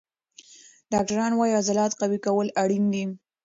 ډاکټران وایي عضلات قوي کول اړین دي.